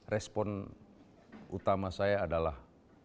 respon utama saya adalah